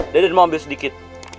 deden mau ambil sedikit